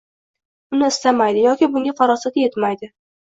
Uni istamaydi yoki bunga farosati yetmaydi.